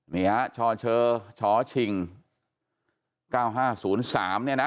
นี่ค่ะชเชิง๙๕๐๓เนี่ยนะ